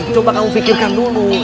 coba kamu pikirkan dulu